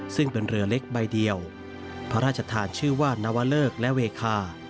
ซึ่งเป็นเรือเล็กใบเดียวพระราชทานชื่อว่านวเลิกและเวคา